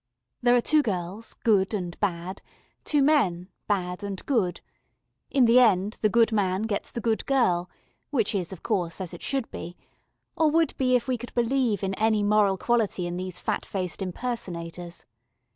There are two girls, good and bad; two men, bad and good. In the end the good man gets the good girl, which is, of course, as it should be, or would be if we could believe in any moral quality in these fat faced impersonators.